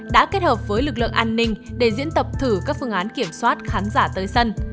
đã kết hợp với lực lượng an ninh để diễn tập thử các phương án kiểm soát khán giả tới sân